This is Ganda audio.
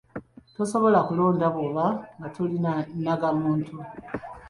Tosobola kulonda bwoba tolina nnangamuntu.